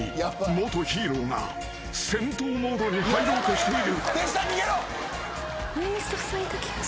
元ヒーローが戦闘モードに入ろうとしている］